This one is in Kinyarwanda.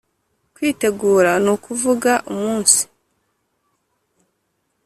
Kwitegura ni ukuvuga umunsi